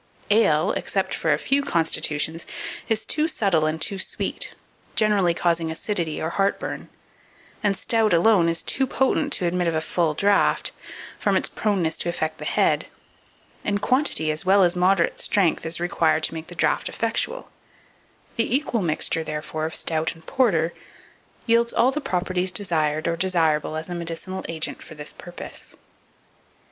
Ale, except for a few constitutions, is too subtle and too sweet, generally causing acidity or heartburn, and stout alone is too potent to admit of a full draught, from its proneness to affect the head; and quantity, as well as moderate strength, is required to make the draught effectual; the equal mixture, therefore, of stout and porter yields all the properties desired or desirable as a medicinal agent for this purpose.